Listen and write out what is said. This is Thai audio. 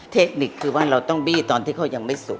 เทคนิคคือว่าเราต้องบี้ตอนที่เขายังไม่สุก